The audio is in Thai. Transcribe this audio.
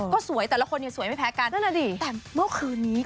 ก็สวยแต่ละคนสวยไม่แพ้กันแต่เมื่อคืนนี้คุณ